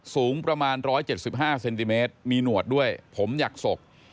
สูงประมาณ๑๗๕เซนติเมตรมีหนวดด้วยผมอยากศก